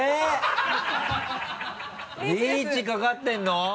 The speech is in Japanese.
リーチかかってるの？